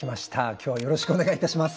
今日はよろしくお願いいたします。